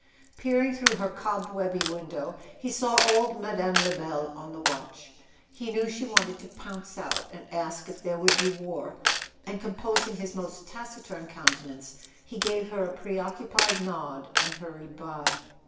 Peering through her cobwebby window, he saw old Mme. Lebel on the watch. He knew she wanted to pounce out and ask if there would be war; and com¬ posing his most taciturn countenance he gave her a preoccupied nod and hurried by.